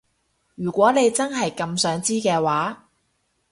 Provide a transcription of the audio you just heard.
如果你真係咁想知嘅話